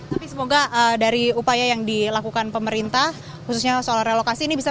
tapi semoga dari upaya yang dilakukan pemerintah khususnya soal relokasi ini bisa